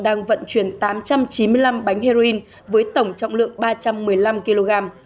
đang vận chuyển tám trăm chín mươi năm bánh heroin với tổng trọng lượng ba trăm một mươi năm kg